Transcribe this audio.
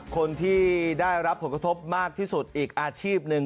คนที่ได้รับผลกระทบมากที่สุดอีกอาชีพหนึ่ง